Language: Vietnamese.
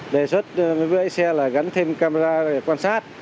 đề xuất với xe là gắn thêm camera để quan sát